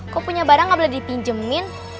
kok punya barang nggak boleh dipinjemin